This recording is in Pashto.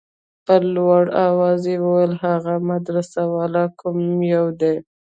په لوړ اواز يې وويل هغه مدرسې والا کوم يو دى.